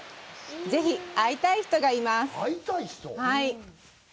ぜひ会いたい人がいます。